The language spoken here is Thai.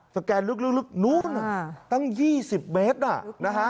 สแกนลึกลึกลึกนู้นอ่าตั้งยี่สิบเมตรอ่ะอ่านะฮะ